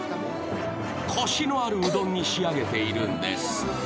コシのあるうどんに仕上げているんです。